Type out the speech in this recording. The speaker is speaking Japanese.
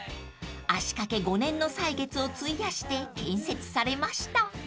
足かけ５年の歳月を費やして建設されました］